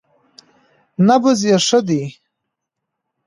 _نبض يې ښه دی.